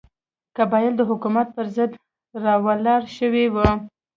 قبایل د حکومت پر ضد راولاړ شوي وو.